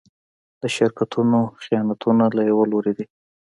د شرکتونو خیانتونه له يوه لوري دي.